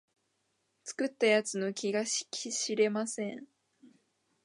作った奴の気が知れません